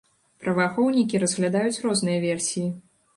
Праваахоўнікі разглядаюць розныя версіі.